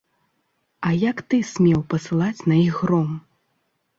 А як ты смеў пасылаць на іх гром?